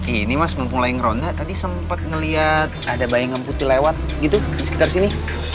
ini mas memulai ngeronda tadi sempat ngeliat ada bayangan putih lewat gitu di sekitar sini